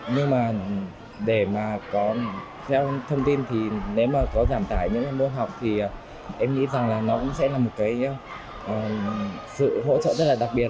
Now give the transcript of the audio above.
nhưng mà để mà có theo thông tin thì nếu mà có giảm tải những môn học thì em nghĩ rằng là nó cũng sẽ là một cái sự hỗ trợ rất là đặc biệt